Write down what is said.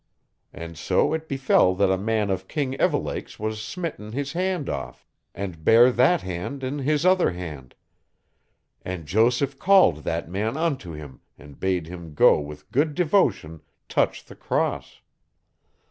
And so it befell that a man of King Evelake's was smitten his hand off, and bare that hand in his other hand; and Joseph called that man unto him and bade him go with good devotion touch the Cross.